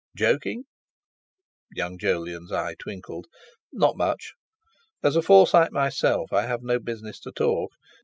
"Joking?" Young Jolyon's eye twinkled. "Not much. As a Forsyte myself, I have no business to talk.